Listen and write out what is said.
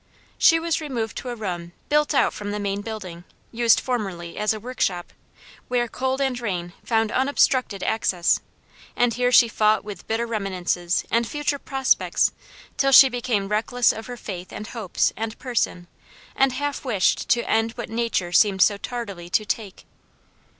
She was removed to a room built out from the main building, used formerly as a workshop, where cold and rain found unobstructed access, and here she fought with bitter reminiscences and future prospects till she became reckless of her faith and hopes and person, and half wished to end what nature seemed so tardily to take.